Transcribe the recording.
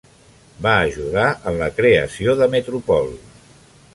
Va ajudar en la creació de "Metropol".